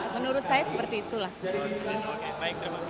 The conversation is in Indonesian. menurut saya seperti itulah